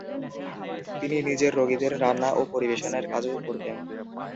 তিনি নিজে রোগীদের রান্না ও পরিবেশনের কাজও করতেন।